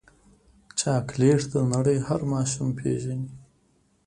چاکلېټ د نړۍ هر ماشوم پیژني.